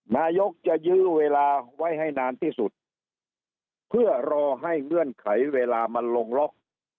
นายกจะยื้อเวลาไว้ให้นานที่สุดเพื่อรอให้เงื่อนไขเวลามันลงล็อก